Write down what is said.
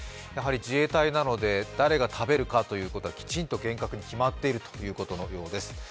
やはり自衛隊なので、誰が食べるかということはきちんと厳格に決まっているということのようです。